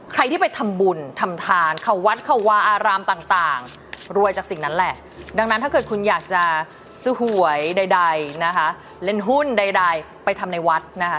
ใครที่ไปทำบุญทำทานเขาวัดเขาวาอารามต่างรวยจากสิ่งนั้นแหละดังนั้นถ้าเกิดคุณอยากจะซื้อหวยใดนะคะเล่นหุ้นใดไปทำในวัดนะคะ